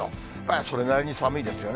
それなりに寒いですよね。